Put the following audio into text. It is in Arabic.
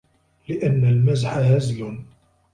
لِأَنَّ الْمَزْحَ هَزْلٌ